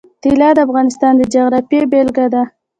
طلا د افغانستان د جغرافیې بېلګه ده.